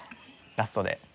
ラストで。